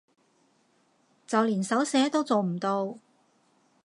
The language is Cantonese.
就連手寫都做唔到